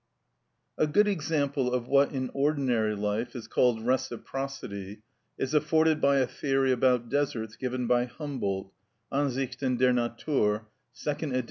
A good example of what in ordinary life is called reciprocity is afforded by a theory about deserts given by Humboldt (Ansichten der Natur, 2d ed.